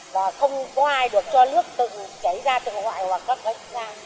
và không có ai được cho nước chảy ra từ ngoại hoặc các vệnh ra